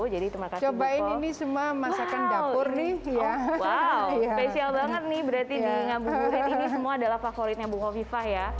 jadi terima kasih bu kof